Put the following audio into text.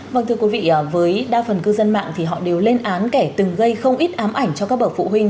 vâng thưa quý vị với đa phần cư dân mạng thì họ đều lên án kẻ từng gây không ít ám ảnh cho các bậc phụ huynh